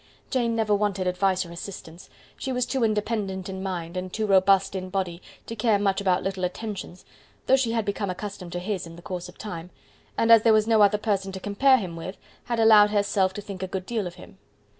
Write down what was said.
Jane never wanted advice or assistance; she was too independent in mind, and too robust in body, to care much about little attentions, though she had become accustomed to his in the course of time, and as there was no other person to compare him with, had allowed herself to think a good deal of him.